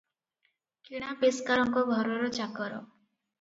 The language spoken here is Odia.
କିଣା ପେସ୍କାରଙ୍କ ଘରର ଚାକର ।